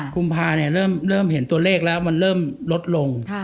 กุมภาเริ่มเห็นตัวเลขแล้วมันเริ่มลดลง